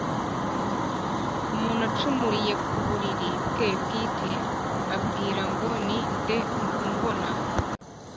Umuntu ucumuriye ku buriri bwe bwite, aribwira ngo «Ni nde umbona?